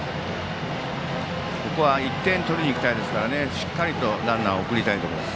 ここは１点を取りにいきたいですからしっかりとランナーを送りたいところです。